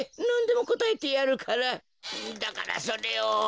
なんでもこたえてやるからだからそれを。